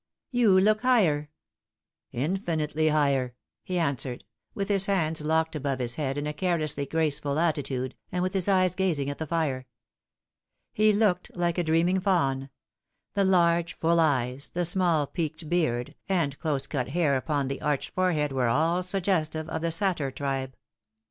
" You look higher ?"" Infinitely higher," he answered, with his hands locked above his head in a carelessly graceful attitude, and with his eyes gazing at the fire. He looked like a dreaming fawn : the large full eyes, the small peaked beard, and close cut hair upon the arched forehead were all suggestive of the satyr tribe.